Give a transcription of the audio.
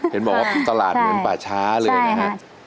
เห็นบอกว่าตลาดเหมือนป่าช้าเลยนะครับ